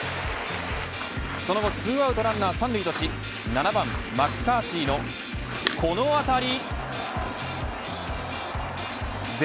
その後、２アウトランナー３塁とし７番マッカーシーのこの当たり。